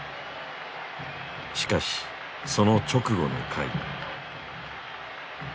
しかしその直後の回。